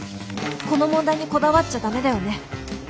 この問題にこだわっちゃダメだよね。